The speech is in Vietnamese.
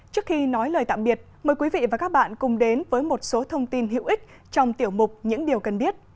trước khi nói lời tạm biệt mời quý vị và các bạn cùng đến với một số thông tin hữu ích trong tiểu mục những điều cần biết